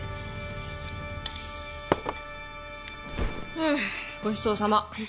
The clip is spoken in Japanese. ふうごちそうさま。